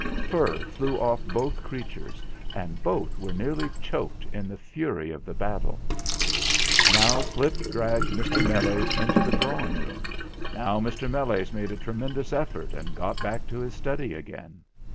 Fur flew off both creatures, and both were nearly choked in the fury of the battle. Now Flip dragged Mr. Meles into the drawing room; now Mr. Meles made a tremendous effort, and got back to his study again.